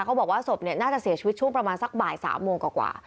เขาบอกว่าศพน่าจะเสียชีวิตช่วงประมาณสักบ่าย๓โมงกว่า